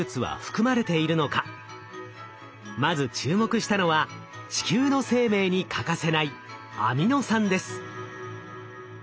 まず注目したのは地球の生命に欠かせないアミノ酸です。